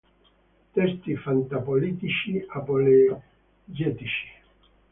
Testi fantapolitici-apologetici